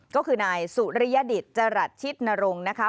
ก็คือนายสุริยดิตจรัสชิดนรงค์นะคะ